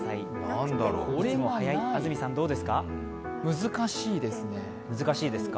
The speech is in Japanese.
難しいですね。